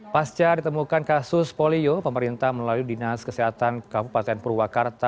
pasca ditemukan kasus polio pemerintah melalui dinas kesehatan kabupaten purwakarta